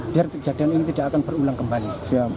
biar kejadian ini tidak akan berulang kembali